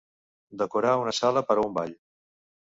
Decorar una sala per a un ball.